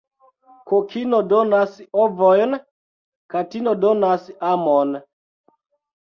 Kokino donas ovojn, katino donas amon.